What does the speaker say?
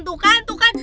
tuh kan tuh kan